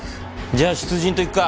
じゃあ出陣といくか。